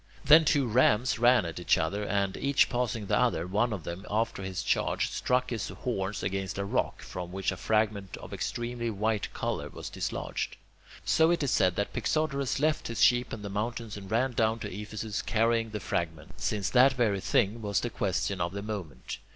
Then two rams ran at each other, and, each passing the other, one of them, after his charge, struck his horns against a rock, from which a fragment of extremely white colour was dislodged. So it is said that Pixodorus left his sheep in the mountains and ran down to Ephesus carrying the fragment, since that very thing was the question of the moment.